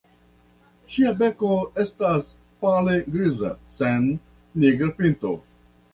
Ŝia beko estas pale griza sen nigra pinto.